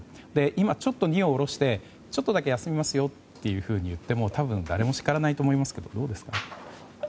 今ちょっと、荷を下ろしてちょっとだけ休みますよっていうふうに言っても多分、誰も叱らないと思いますけど、どうですか？